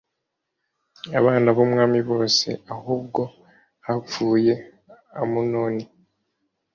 abana b umwami bose ahubwo hapfuye Amunoni